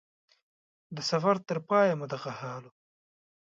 د سفر تر پای مو دغه حال و.